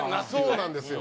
そうなんですよ。